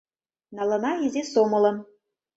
Налына изи сомылым.